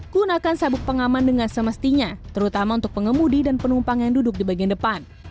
gunakan sabuk pengaman dengan semestinya terutama untuk pengemudi dan penumpang yang duduk di bagian depan